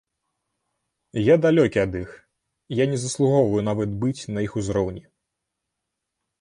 Я далёкі ад іх, я не заслугоўваю нават быць на іх узроўні.